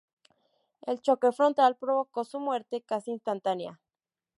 El choque frontal provocó su muerte casi instantánea.